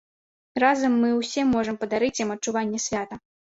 Разам мы ўсе можам падарыць ім адчуванне свята.